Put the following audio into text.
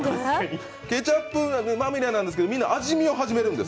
ケチャップまみれなんですけどみんな味見を始めるんです。